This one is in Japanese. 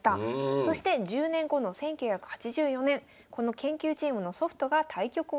そして１０年後の１９８４年この研究チームのソフトが対局をします。